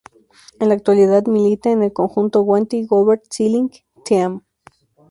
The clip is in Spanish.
En la actualidad milita en el conjunto Wanty-Gobert Cycling Team.